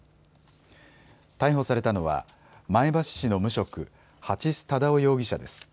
逮捕されたのは前橋市の無職、蜂須忠夫容疑者です。